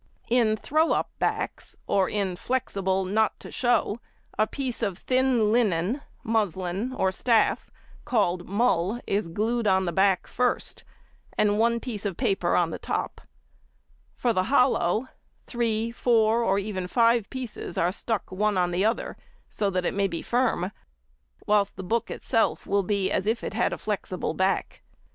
In "throw up" backs, or in "flexible not to show," a piece of thin linen (muslin) or staff called mull is glued on the back first, and one piece of paper on the top. For the hollow, three, four, or even five pieces are stuck one on the other, so that it may be firm; whilst the book itself will be as if it had a flexible back.